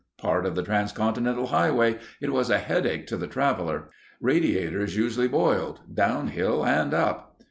Part of the transcontinental highway, it was a headache to the traveler. Radiators usually boiled down hill and up.